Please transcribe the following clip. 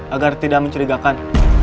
agar tidak mencurigakan